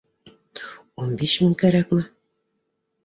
Ун биш мең кәрәкме?